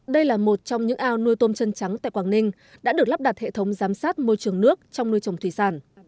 đây là một trong những ao nuôi tôm chân trắng tại quảng ninh đã được lắp đặt hệ thống giám sát môi trường nước trong nuôi trồng thủy sản